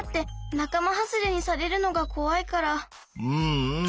うんうん。